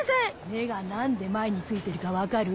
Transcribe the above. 目が何で前についてるか分かる？